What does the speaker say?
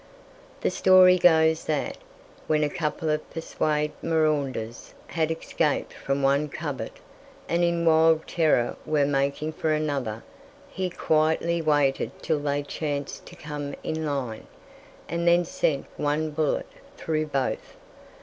The story goes that, when a couple of pursued marauders had escaped from one covert, and in wild terror were making for another, he quietly waited till they chanced to come in line, and then sent one bullet through both.